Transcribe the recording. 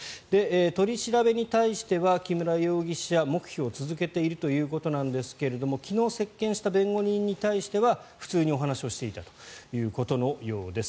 取り調べに対しては木村容疑者は黙秘を続けているということですが昨日、接見した弁護人に対しては普通にお話をしていたということのようです。